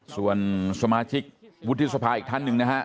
ส่วนสมาชิกวุฒิสภาอีกท่านหนึ่งนะฮะ